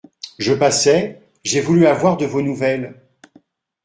Je passais, j'ai voulu avoir de vos nouvelles.